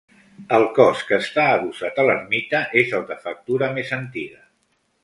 El cos que està adossat a l'ermita, és el de factura més antiga.